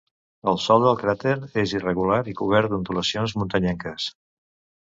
El sòl del cràter és irregular i cobert d'ondulacions muntanyenques.